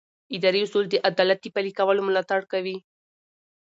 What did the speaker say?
اداري اصول د عدالت د پلي کولو ملاتړ کوي.